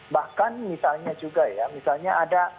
bahkan misalnya juga ya misalnya ada